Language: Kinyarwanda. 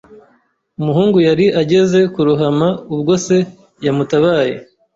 Umuhungu yari ageze kurohama ubwo se yamutabaye.